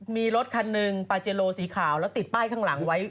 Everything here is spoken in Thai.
มีรถคันหนึ่งปาเจโลสีขาวแล้วติดป้ายข้างหลังไว้